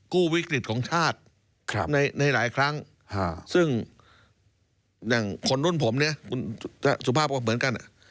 กู้วิกฤตของชาติในหลายครั้งซึ่งอย่างคนรุ่นผมเนี่ยคุณสุภาพก็เหมือนกัน